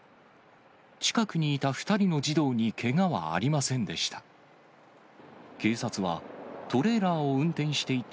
近くにいた２人の児童にけがはありませんでした。